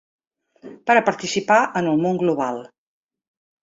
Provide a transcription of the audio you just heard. Per a participar en el món global.